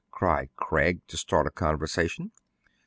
" cried Craig, to start a conversation.